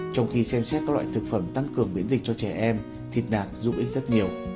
trong khi xem xét các loại thực phẩm tăng cường miễn dịch cho trẻ em thịt nạc giúp ích rất nhiều